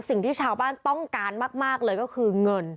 สิ่งที่ชาวบ้านต้องการมากเลยก็คือเงิน